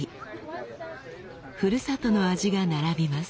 ふるさとの味が並びます。